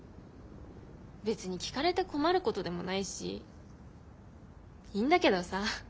別に聞かれて困ることでもないしいいんだけどさ。